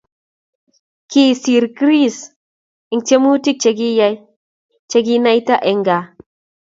Kisiir Chris eng tyemutik chegiyay cheginaita eng gaa